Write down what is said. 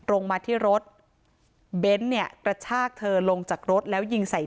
ลงมาที่รถเบนท์เนี่ยกระชากเธอลงจากรถแล้วยิงใส่